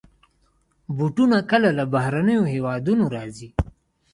بوټونه کله له بهرنيو هېوادونو راځي.